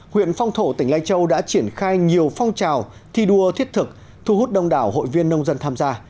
huyện phong thổ tỉnh lai châu đã triển khai nhiều phong trào thi đua thiết thực thu hút đông đảo hội viên nông dân tham gia